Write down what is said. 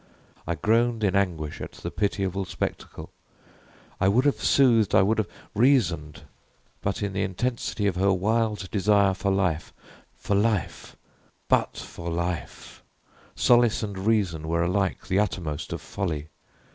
I groaned in anguish at the pitiable spectacle. I would have soothed I would have reasoned; but in the intensity of her wild desire for life for life but for life solace and reason were alike the uttermost of folly.